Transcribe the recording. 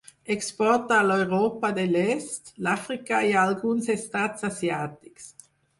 Exporta a l'Europa de l'Est, l'Àfrica i a alguns estats asiàtics.